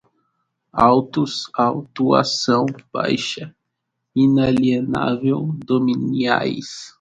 autos, autuação, baixa, inalienável, dominiais